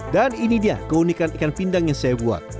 dan ini dia keunikan ikan pindang yang saya buat